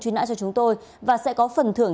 truy nã cho chúng tôi và sẽ có phần thưởng